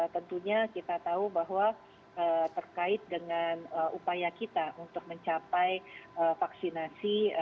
tentunya kita tahu bahwa terkait dengan upaya kita untuk mencapai vaksinasi